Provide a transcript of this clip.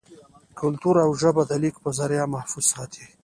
کلتور او ژبه دَليک پۀ زريعه محفوظ ساتي